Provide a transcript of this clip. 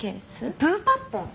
プーパッポン。